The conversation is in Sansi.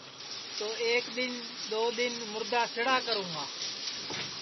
تو ایک دؔن دؔو دؔن مُردا سِڑا کرونگا